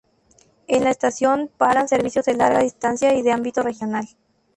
En la estación paran servicios de larga distancia y de ámbito regional.